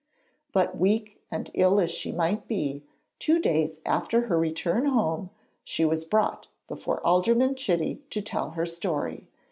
But weak and ill as she might be, two days after her return home she 'was brought' before Alderman Chitty to tell her story.